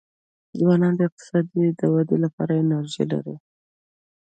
ځوانان د اقتصاد د ودي لپاره انرژي لري.